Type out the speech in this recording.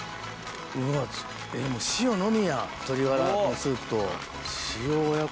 うわ塩のみやん鶏ガラのスープと。